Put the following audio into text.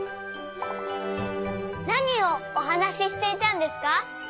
なにをおはなししていたんですか？